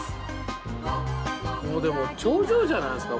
もうでも頂上じゃないですか？